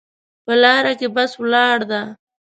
په لاره کې بس ولاړ ده